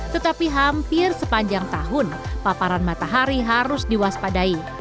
tetapi hampir sepanjang tahun paparan matahari harus diwaspadai